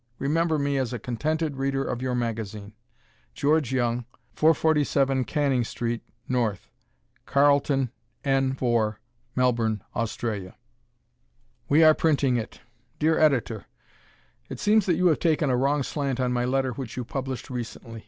Remember me as a contented reader of your magazine. Geo. Young, 447 Canning St., Nth. Carlton N. 4, Melbourne, Australia. We Are Printing It! Dear Editor: It seems that you have taken a wrong slant on my letter which you published recently.